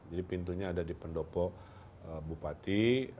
jadi pintunya ada di pendopo bupati